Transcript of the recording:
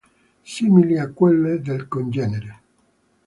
Simili a quelle del congenere.